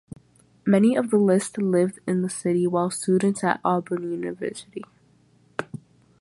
Many on the list lived in the city while students at Auburn University.